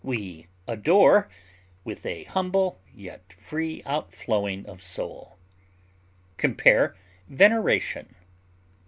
We adore with a humble yet free outflowing of soul. Compare VENERATION.